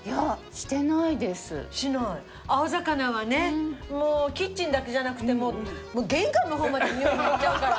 青魚はねもうキッチンだけじゃなくて玄関の方までにおいが行っちゃうから。